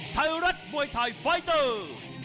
ไทยรัฐมวยไทยไฟเตอร์